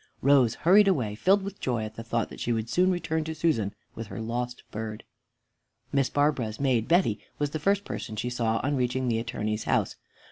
Rose hurried away, filled with joy at the thought that soon she would return to Susan with her lost bird. Miss Barbara's maid, Betty, was the first person she saw on reaching the Attorney's house.